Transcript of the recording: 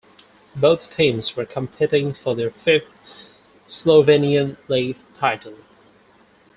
Both teams were competing for their fifth Slovenian League title.